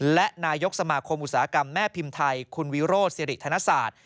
และนายกสมาคมอุตสาหกรรมแม่พิมพ์ไทยคุณวิโรธสิริธนศาสตร์